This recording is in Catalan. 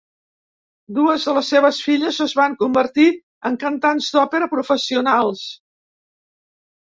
Dues de les seves filles es van convertir en cantants d'òpera professionals.